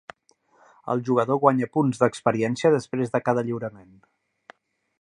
El jugador guanya punts d'experiència després de cada lliurament.